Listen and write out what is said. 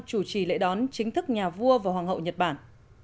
chủ trì lễ đón chính thức nhà vua và hoàng hậu nhật bản